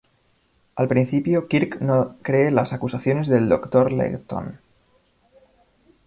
Al principio, Kirk no cree las acusaciones del Dr. Leighton.